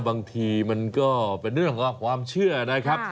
บางทีมันก็เป็นเรื่องของความเชื่อนะครับ